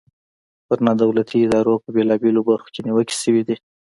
پر نا دولتي ادارو په بیلابیلو برخو کې نیوکې شوي دي.